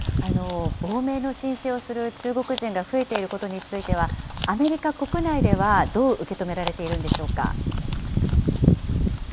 亡命の申請をする中国人が増えていることについては、アメリカ国内ではどう受け止められているんでしょうか。